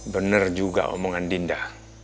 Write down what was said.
bener juga omongan dinda